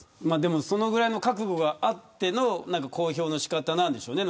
そのぐらいの覚悟があっての公表の仕方なんでしょうね。